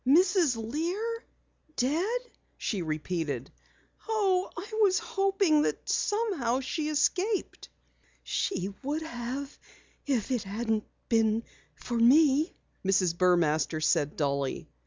"Mrs. Lear dead," she repeated. "Oh, I was hoping that somehow she escaped." "She would have if it hadn't been for me," Mrs. Burmaster said dully.